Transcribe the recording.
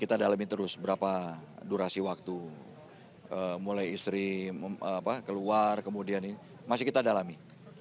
ini terus berapa durasi waktu mulai istri keluar kemudian ini masih kita dalami